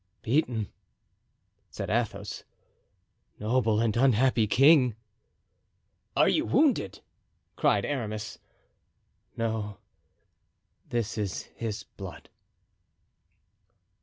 "Beaten!" said Athos. "Noble and unhappy king!" "Are you wounded?" cried Aramis. "No, this is his blood."